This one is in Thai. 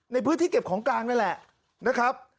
ในพื้นที่เก็บของกลางนั่นแหละนะครับ